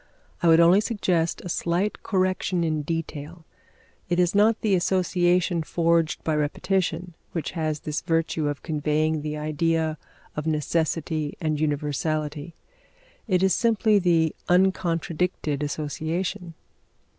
I would only suggest a slight correction in detail. It is not the association forged by repetition which has this virtue of conveying the idea of necessity and universality, it is simply the uncontradicted association.